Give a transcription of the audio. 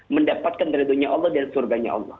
mendapatkan dari dunia allah dan surganya allah